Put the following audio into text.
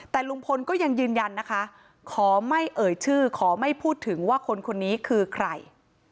แต่ลุงพลก็ยังยืนยันนะคะขอไม่เอ่ยชื่อขอไม่พูดถึงว่าคนคนนี้คือใคร